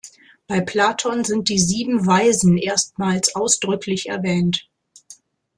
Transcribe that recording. Bei Platon sind die Sieben Weisen erstmals ausdrücklich erwähnt.